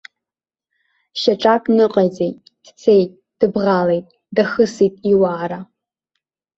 Шьаҿак ныҟаиҵеит, дцеит, дыбӷалеит, дахысит иуаара.